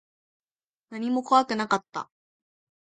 何も怖くなかった。